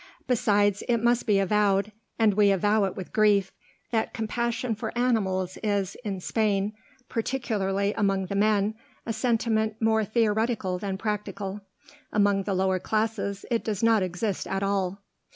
Besides, it must be avowed and we avow it with grief that compassion for animals is, in Spain, particularly among the men, a sentiment more theoretical than practical. Among the lower classes it does not exist at all.